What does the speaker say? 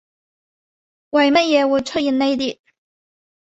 為乜嘢會出現呢啲